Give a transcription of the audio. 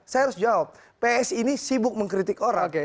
saya harus jawab psi ini sibuk mengkritik orang